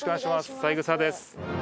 三枝です。